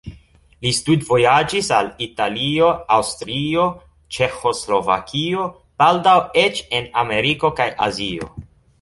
Li studvojaĝis al Italio, Aŭstrio, Ĉeĥoslovakio, baldaŭ eĉ en Ameriko kaj Azio.